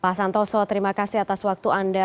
pak santoso terima kasih atas waktu anda